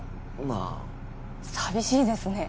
まあ寂しいですね